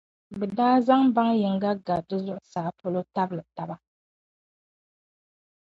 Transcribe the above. bɛ daa zaŋ ban’ yini ga di zuɣusaa polo tabili taba.